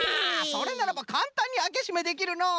それならばかんたんにあけしめできるのう！